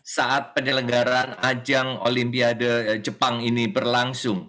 saat penyelenggaran ajang olimpiade jepang ini berlangsung